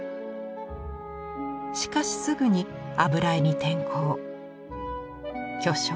しかしすぐに油絵に転向巨匠